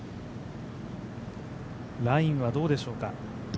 ラインはどうでしょうか？